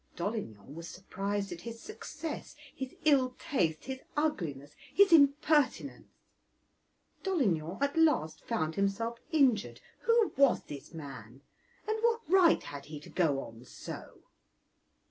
Dolignan was surprised at his success, his ill taste, his ugliness, his impertinence. Dolignan at last found himself injured; who was this man? and what right had he to go on so?